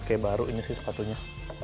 kayak baru ini sih sepatunya